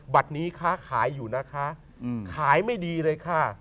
บัตรนี้ค้าขายอยู่นะคะขายไม่ดีเลยค่ะ